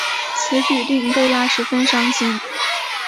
此举令贝拉十分伤心。